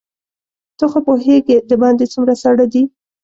ته خو پوهېږې دباندې څومره ساړه دي.